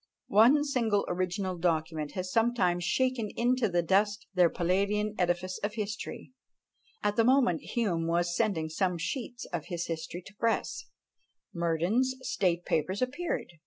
One single original document has sometimes shaken into dust their Palladian edifice of history. At the moment Hume was sending some sheets of his history to press, Murdin's State Papers appeared.